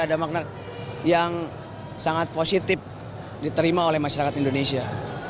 ada makna yang sangat positif diterima oleh masyarakat indonesia